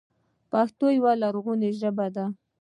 پښتو یوه لرغوني ژبه ده.